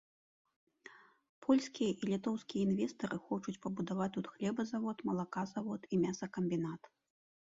Польскія і літоўскія інвестары хочуць пабудаваць тут хлебазавод, малаказавод і мясакамбінат.